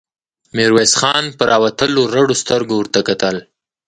ميرويس خان په راوتلو رډو سترګو ورته کتل.